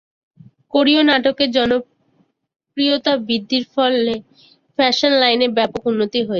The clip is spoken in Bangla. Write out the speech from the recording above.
কোরীয় নাটকের জনপ্রিয়তা বৃদ্ধির ফলে ফ্যাশন লাইনে ব্যাপক উন্নতি হয়েছে।